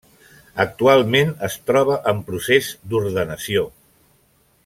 Actualment es troba en procés d'ordenació.